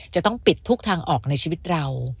จะต้องปิดทุกทางออกในชีวิตเรา